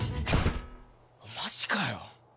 マジかよ。